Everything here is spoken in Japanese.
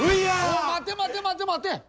お待て待て待て待て！